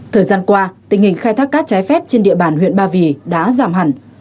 thời gian qua tình hình khai thác cát trái phép trên địa bàn huyện ba vì đã giảm hẳn